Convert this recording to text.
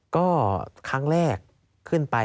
ก็ครั้งแรกขึ้นไป